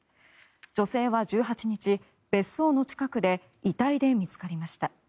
女性は１８日、別荘の近くで遺体で見つかりました。